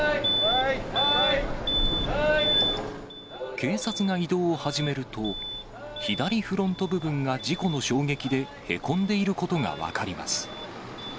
警察が移動を始めると、左フロント部分が事故の衝撃でへこんでいることが分かります。